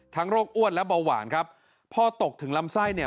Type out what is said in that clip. โรคอ้วนและเบาหวานครับพอตกถึงลำไส้เนี่ย